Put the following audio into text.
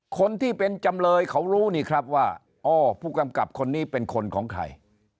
คนที่เป็นจำเลยเขารู้นี่ครับว่าอ้อผู้กำกับคนนี้เป็นคนของใคร